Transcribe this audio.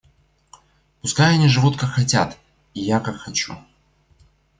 Пускай они живут как хотят, и я как хочу.